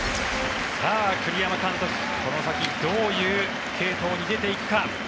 栗山監督、この先どういう継投に出ていくか。